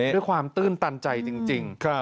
ด้วยความตื่นตันใจจริง